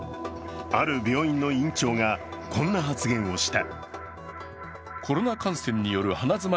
ある病院の院長が、こんな発言をした。